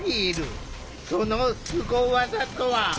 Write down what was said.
そのスゴ技とは？